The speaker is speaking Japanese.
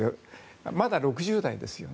まだ６０代ですよね。